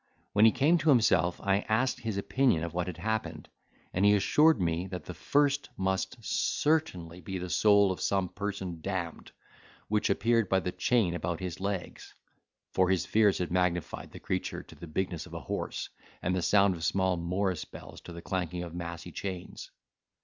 When he came to himself, I asked his opinion of what had happened; and he assured me that the first must certainly be the soul of some person damned, which appeared by the chain about his legs (for his fears had magnified the creature to the bigness of a horse, and the sound of small morice bells to the clanking of massy chains).